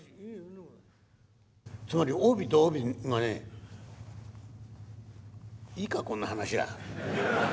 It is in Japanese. つまり帯と帯がね、いいか、こんな話は。